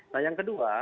nah yang kedua